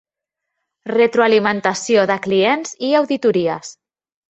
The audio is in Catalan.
Retroalimentació de clients i auditories.